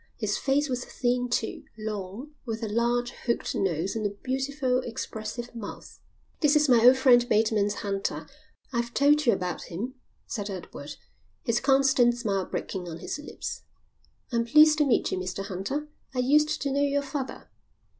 His face was thin too, long, with a large, hooked nose and a beautiful, expressive mouth. "This is my old friend Bateman Hunter. I've told you about him," said Edward, his constant smile breaking on his lips. "I'm pleased to meet you, Mr Hunter. I used to know your father."